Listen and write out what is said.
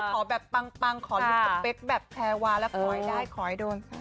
ขอแบบปังขอลิกประเป็ดแบบแฟวาแล้วขอให้ได้ขอให้โดน